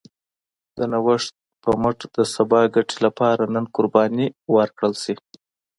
د نوښت پر مټ د سبا ګټې لپاره نن قرباني ورکړل شي.